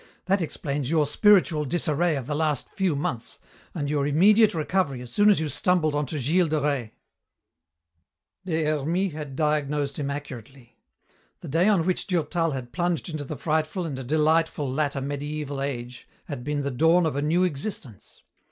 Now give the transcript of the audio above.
That explains your spiritual disarray of the last few months and your immediate recovery as soon as you stumbled onto Giles de Rais." Des Hermies had diagnosed him accurately. The day on which Durtal had plunged into the frightful and delightful latter mediæval age had been the dawn of a new existence.